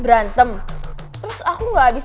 berantem terus aku abis